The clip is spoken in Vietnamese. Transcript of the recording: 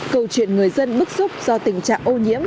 câu chuyện người dân bức xúc do tình trạng ô nhiễm